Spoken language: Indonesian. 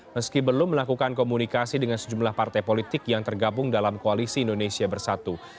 meski belum melakukan komunikasi dengan sejumlah partai politik yang tergabung dalam koalisi indonesia bersatu